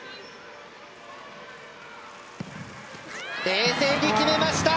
冷静に決めました！